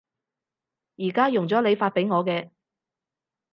而家用咗你發畀我嘅